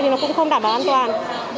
nhưng mà cũng không đảm bảo an toàn